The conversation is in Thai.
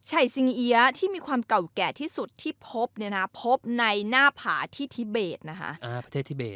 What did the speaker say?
ชัยสิงเอี๊ยะที่มีความเก่าแก่ที่สุดที่พบในหน้าผาที่ทิเบต